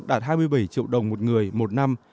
đạt hai mươi bảy triệu đồng một người một năm